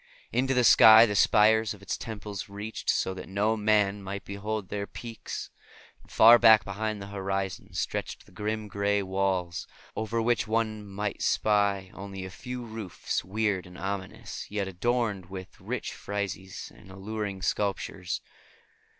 Into the sky the spires of its temples reached, so that no man might behold their peaks; and far back beyond the horizon stretched the grim, gray walls, over which one might spy only a few roofs, weird and ominous, yet adorned with rich friezes and alluring sculptures.